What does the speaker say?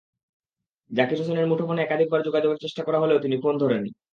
জাকির হোসেনের মুঠোফোনে একাধিকবার যোগাযোগের চেষ্টা করা হলেও তিনি ফোন ধরেননি।